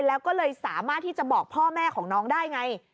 แล้วก็เลยสามารถที่จะบอกพ่อแม่ของน้องได้ไง